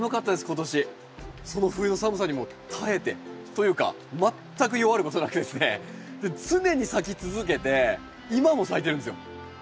今年その冬の寒さにも耐えてというか全く弱ることなくですね常に咲き続けて今も咲いてるんですよ。